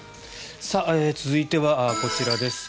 続いてはこちらです。